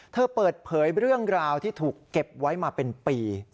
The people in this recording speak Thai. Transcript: เปิดเผยเรื่องราวที่ถูกเก็บไว้มาเป็นปี